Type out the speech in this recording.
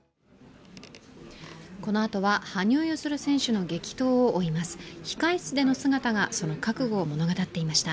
このあとは羽生結弦選手の激闘を追います。